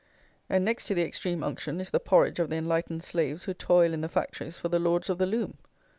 And next to the extreme unction is the porridge of the "enlightened" slaves who toil in the factories for the Lords of the Loom.